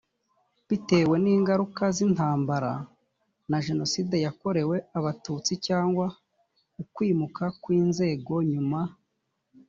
bitewe n ingaruka z intambara na jenoside yakorewe abatutsi cyangwa ukwimuka kw inzego nyuma